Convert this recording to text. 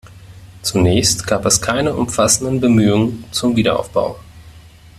Zunächst gab es keine umfassenden Bemühungen zum Wiederaufbau.